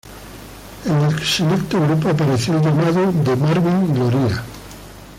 En el selecto grupo apareció el llamado de Marvin Loría.